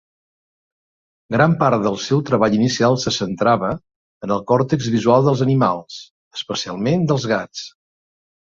Gran part del seu treball inicial se centrava en el còrtex visual dels animals, especialment dels gats.